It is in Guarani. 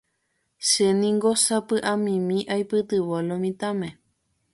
Chéniko sapy'amimi aipytyvõ lo mitãme.